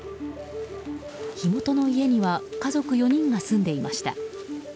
火元の家には家族４人が住んでいました。